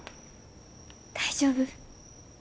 大丈夫？